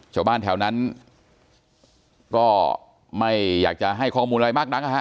ชาวบ้านแถวนั้นก็ไม่อยากจะให้ข้อมูลอะไรมากนักนะฮะ